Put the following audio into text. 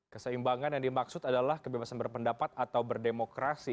keseimbangan yang dimaksud adalah kebebasan berpendapat atau berdemokrasi